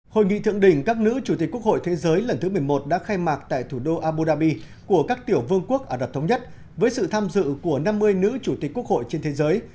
hội nghị thượng đỉnh các nữ chủ tịch quốc hội thế giới lần thứ một mươi một đã khai mạc tại thủ đô abu dhabi của các tiểu vương quốc ả rập thống nhất với sự tham dự của năm mươi nữ chủ tịch quốc hội trên thế giới